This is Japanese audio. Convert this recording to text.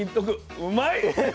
うまいッ！